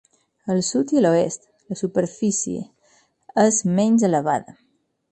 Al sud i a l'oest, la superfície és menys elevada.